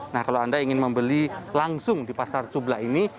nah kalau anda ingin membeli langsung di pasar cubla ini